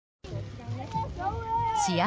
試合